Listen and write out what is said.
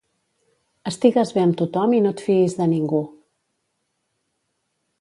Estigues bé amb tothom i no et fiïs de ningú.